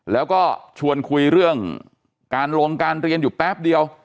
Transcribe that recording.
แล้วก็ชวนคุยเรื่องการลงการเรียนอยู่แป๊บเดียว